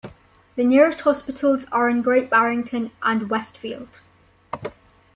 The nearest hospitals are in Great Barrington and Westfield.